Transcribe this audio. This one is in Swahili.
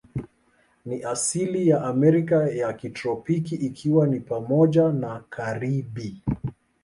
Ni asili ya Amerika ya kitropiki, ikiwa ni pamoja na Karibi.